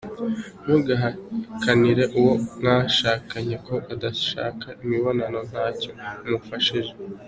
Ntugahakanire uwo mwashakanye ko udashaka imibonano ntacyo umufashije.